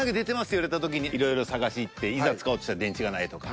言われた時にいろいろ探しに行っていざ使おうとしたら電池がないとか。